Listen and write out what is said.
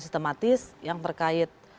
sistematis yang terkait